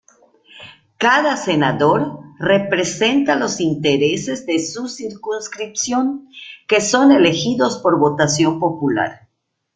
Cada senador representa los intereses de su circunscripción, que son elegidos por votación popular.